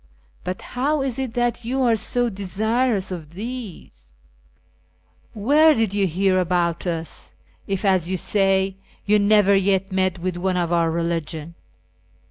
I'.ut how is it that you are so desirous of these ? Where did you hear about us, if, as you say, you never yet met with one of our religion